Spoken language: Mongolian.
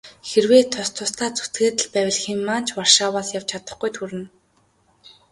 Хэрвээ тус тусдаа зүтгээд л байвал хэн маань ч Варшаваас явж чадахгүйд хүрнэ.